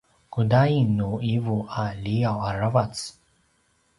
kudain nu ’ivu a liaw aravac?